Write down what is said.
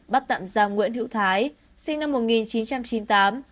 bắt tạm giam nguyễn hữu thái sinh năm một nghìn chín trăm chín mươi tám